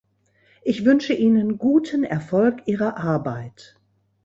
Ich wünsche Ihnen guten Erfolg Ihrer Arbeit!